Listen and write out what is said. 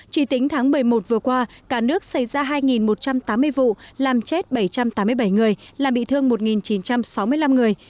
chỉ tính tháng một mươi một vừa qua cả nước xảy ra hai một trăm tám mươi vụ làm chết bảy trăm tám mươi bảy người làm bị thương một chín trăm sáu mươi năm người